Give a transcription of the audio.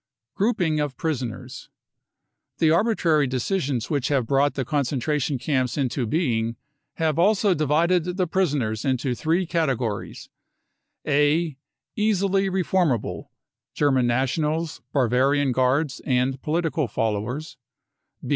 Grouping of Prisoners. The arbitrary decisions which have brought the concentration camps into being have also divided the. prisoners into three categories : A. Easily reformable (German Nationals, Bavarian Guards, and political followers).